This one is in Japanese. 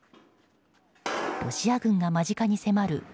ロシア軍が間近に迫る